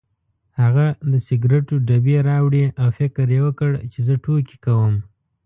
هغه د سګرټو ډبې راوړې او فکر یې وکړ چې زه ټوکې کوم.